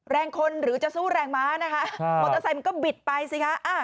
แรงคนหรือจะสู้แรงม้านะคะมอเตอร์ไซค์มันก็บิดไปสิคะ